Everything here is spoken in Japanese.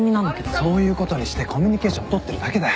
そういうことにしてコミュニケーション取ってるだけだよ。